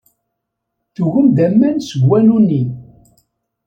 Tugem-d aman seg wanu-nni.